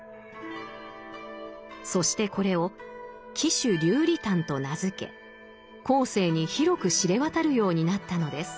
そしてこれを「貴種流離譚」と名付け後世に広く知れ渡るようになったのです。